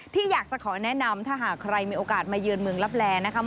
ที่อยากจะขอแนะนำถ้าหากใครมีโอกาสมาเยือนเมืองลับแลนะคะ